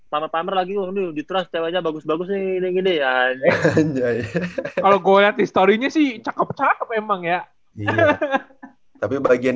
pamer pamer lagi bagus bagus sih kalau gue lihat historinya sih cakep cakep emang ya tapi bagian